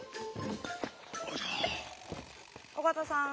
尾形さん。